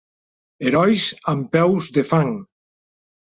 Herois amb peus de fang.